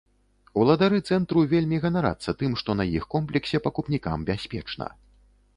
Уладары цэнтру вельмі ганарацца тым, што на іх комплексе пакупнікам бяспечна.